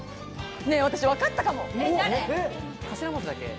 私、分かったかも！